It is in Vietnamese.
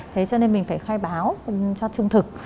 thế cho nên mình phải khai báo cho trung thực